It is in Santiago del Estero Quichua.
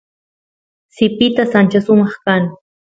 sipitas ancha sumaq kan